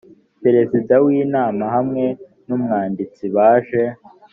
perezida w inama hamwe n umwanditsi baje